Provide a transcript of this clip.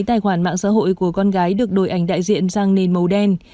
tài khoản mạng xã hội của con gái được đổi ảnh đại diện sang nền màu đen